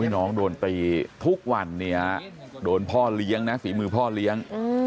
น้องโดนตีทุกวันเนี่ยโดนพ่อเลี้ยงนะฝีมือพ่อเลี้ยง